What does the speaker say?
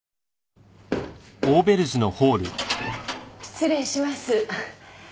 失礼します。